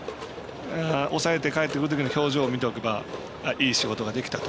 抑えてかえってくるときの表情を見ておけばいい仕事ができたと。